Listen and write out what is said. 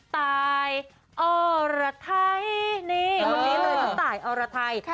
ตายออรไทนี่ตายออรไท